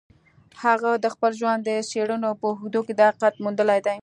هغه د خپل ژوند د څېړنو په اوږدو کې دا حقیقت موندلی دی